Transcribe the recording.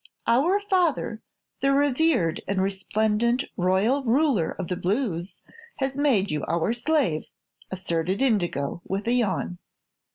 "Our father, the Revered and Resplendent Royal Ruler of the Blues, has made you our slave," asserted Indigo, with a yawn.